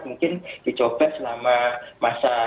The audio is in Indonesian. mungkin dicoba selama masa